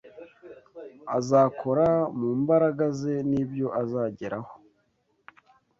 azakora mu mbaraga ze n’ibyo azageraho